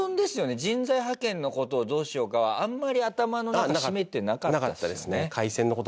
人材派遣の事をどうしようかあんまり頭の中占めてなかった。